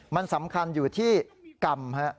มันสำคัญอยู่ที่กรรมฮะ